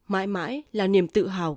mãi mãi là niềm tự hào